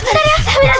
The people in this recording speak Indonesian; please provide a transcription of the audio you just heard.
aduh bentar ya bentar ya